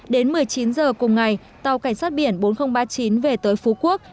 đến một mươi chín h cùng ngày tàu cảnh sát biển bốn nghìn ba mươi chín về tới phú quốc